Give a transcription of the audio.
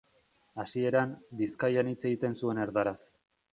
Hasieran, Bizkaian hitz egiten zuen erdaraz.